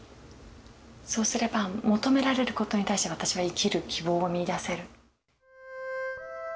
そうすれば求められることに対して私は生きる希望を見いだせる。